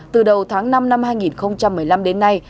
từ đầu tháng năm năm hai nghìn một mươi năm đến nay